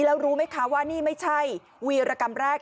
แล้วรู้ไหมคะว่านี่ไม่ใช่วีรกรรมแรก